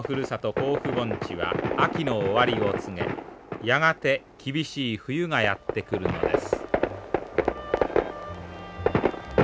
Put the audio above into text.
甲府盆地は秋の終わりを告げやがて厳しい冬がやって来るのです。